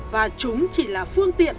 và chúng chỉ là phương tiện